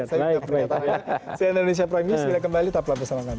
saya andronisha pramie silahkan kembali tonton bersama kami